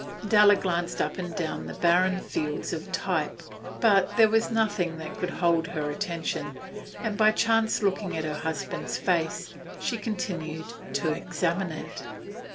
Adela glanced up and down the barren fields of type, but there was nothing that could hold her attention, and, by chance looking at her husband's face, she continued to examine it.